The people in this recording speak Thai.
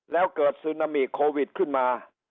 แล้วเกิดซึนามิโควิดขึ้นมา